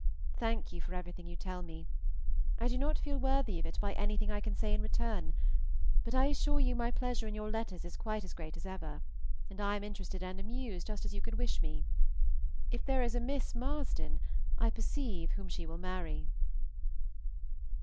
Thank you for everything you tell me. I do not feel worthy of it by anything that I can say in return, but I assure you my pleasure in your letters is quite as great as ever, and I am interested and amused just as you could wish me. If there is a Miss Marsden, I perceive whom she will marry.